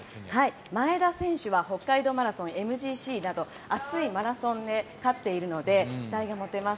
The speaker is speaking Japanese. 前田選手は北海道マラソン、ＭＧＣなど、暑いマラソンで勝っているので、期待が持てます。